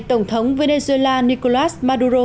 tổng thống venezuela nicolas maduro